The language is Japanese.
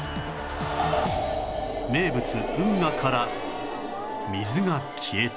名物運河から水が消えた